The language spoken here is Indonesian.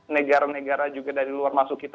negara negara juga dari luar masuk kita